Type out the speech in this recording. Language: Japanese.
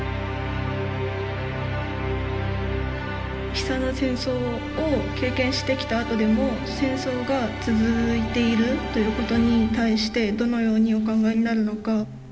悲惨な戦争を経験してきたあとでも戦争が続いているということに対してどのようにお考えになるのか。